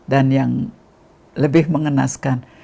dan yang lebih mengenaskan